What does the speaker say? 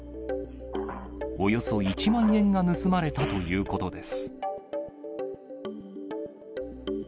およそ１万円が盗まれたということです。